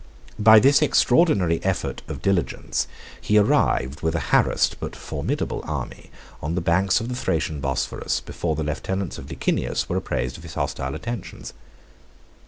By this extraordinary effort of diligence, he arrived with a harassed but formidable army, on the banks of the Thracian Bosphorus before the lieutenants of Licinius were apprised of his hostile intentions.